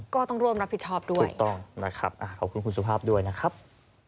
ก็ต้องรวมรับผิดชอบด้วยนะครับขอบคุณคุณสุภาพด้วยนะครับถูกต้อง